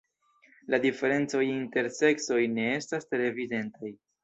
La diferencoj inter seksoj ne estas tre evidentaj.